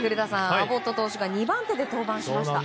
アボット投手が２番手で登板しました。